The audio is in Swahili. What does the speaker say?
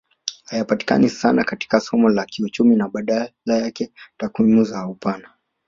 Hayapatikani sana katika somo la kiuchumi na badala yake takwimu za upana